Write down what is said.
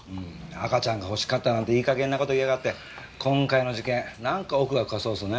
赤ちゃんが欲しかったなんていい加減な事言いやがって今回の事件なんか奥が深そうですね。